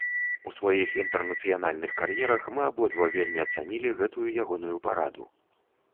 У сваіх інтэрнацыянальных кар'ерах, мы абодва вельмі ацанілі гэтую ягоную параду.